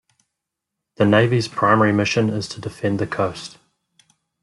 The Navy's primary mission is to defend the coast.